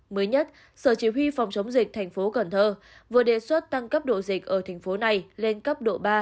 mới nhất sở chỉ huy phòng chống dịch thành phố cần thơ vừa đề xuất tăng cấp độ dịch ở thành phố này lên cấp độ ba